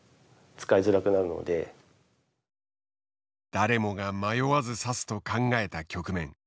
誰もが迷わず指すと考えた局面。